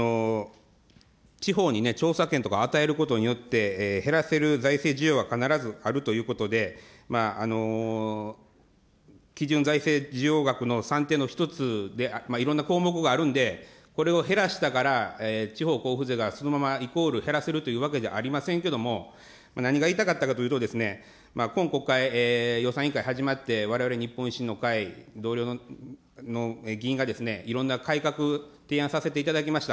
地方に調査権とか与えることによって、減らせる財政需要は必ずあるということで、基準財政需要額の算定の一つで、いろんな項目があるんで、これを減らしたから、地方交付税がそのままイコール減らせるというわけではありませんけども、何が言いたかったかというと、今国会、予算委員会始まって、われわれ日本維新の会、同僚の議員がいろんな改革、提案させていただきました。